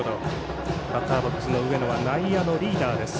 バッターボックスの上野は内野のリーダーです。